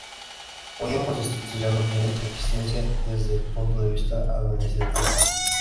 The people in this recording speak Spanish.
Hoy ambos distritos ya no tienen existencia desde el punto de vista administrativo.